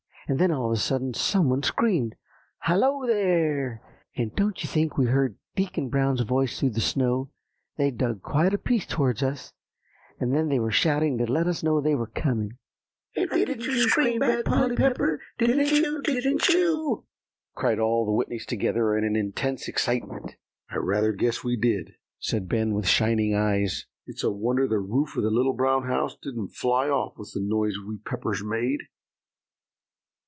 And then all of a sudden some one screamed, 'Hallo, there!' and don't you think we heard Deacon Brown's voice through the snow; they'd dug quite a piece towards us, and they were shouting to let us know they were coming." "And didn't you scream back, Polly Pepper, didn't you? didn't you?" cried all the Whitneys together in intense excitement. "I rather guess we did," said Ben, with shining eyes; "it's a wonder the roof of The Little Brown House didn't fly off with the noise we Peppers made."